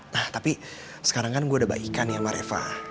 nah tapi sekarang kan gue udah baik baikin ya sama reva